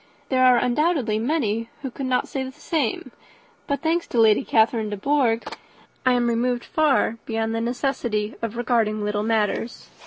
There are, undoubtedly, many who could not say the same; but, thanks to Lady Catherine de Bourgh, I am removed far beyond the necessity of regarding little matters."